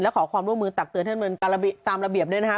และขอความร่วมมือตักเตือนเท่านั้นมันตามระเบียบด้วยนะครับ